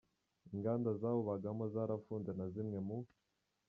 Inganda zawubagamo zarafunze na zimwe mu .